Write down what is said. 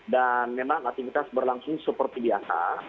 dan memang aktivitas berlangsung seperti biasa